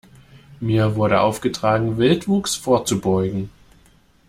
Mir wurde aufgetragen, Wildwuchs vorzubeugen.